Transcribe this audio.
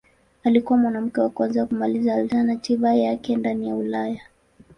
Alikuwa mwanamke wa kwanza kumaliza alternativa yake ndani ya Ulaya.